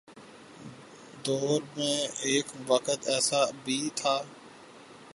دور میں ایک وقت ایسا بھی تھا۔